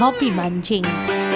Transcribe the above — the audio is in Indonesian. yang lebih mancing